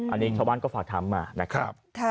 อันนี้ชาวบ้านก็ฝากถามมานะครับ